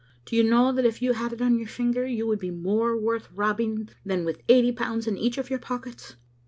Do you know that if you had it on your finger you would be more worth robbing than with eighty pounds in each of your pockets?"